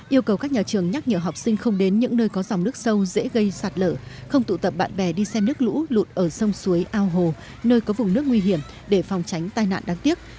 yêu cầu các nhà trường nhắc nhở học sinh không đến những nơi có dòng nước sâu dễ gây sạt lở không tụ tập bạn bè đi xem nước lũ lụt ở sông suối ao hồ nơi có vùng nước nguy hiểm để phòng tránh tai nạn đáng tiếc